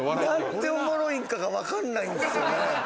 何でおもろいんかが分かんないんすよね。